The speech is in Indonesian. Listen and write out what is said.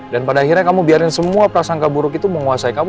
dan pada akhirnya kamu biarin semua prasangka buruk itu menguasai kamu